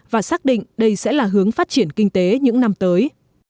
và xác định đây sẽ là hướng phát triển kinh tế những năm tới